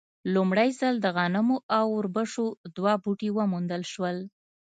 لومړی ځل د غنمو او اوربشو دوه بوټي وموندل شول.